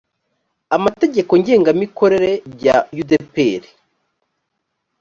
amategeko ngengamikorere bya u d p r